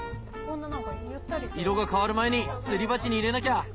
色が変わる前にすり鉢に入れなきゃ！